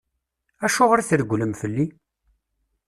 Acuɣer i tregglem fell-i?